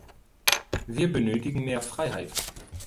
Wir benötigen mehr Freiheit.